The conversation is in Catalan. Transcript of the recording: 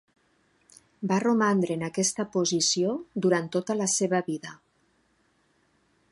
Va romandre en aquesta posició durant tota la seva vida.